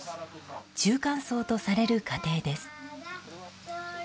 中間層とされる家庭です。